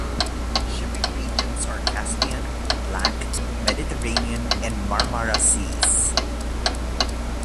Shipping regions are Caspian, Black, Mediterranean and Marmara Seas.